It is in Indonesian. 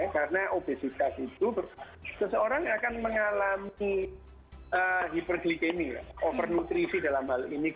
karena obesitas itu seseorang akan mengalami hiperglycemia overnutrisi dalam hal ini